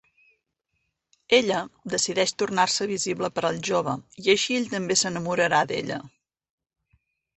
Ella decideix tornar-se visible per al jove, i així ell també s'enamorarà d'ella.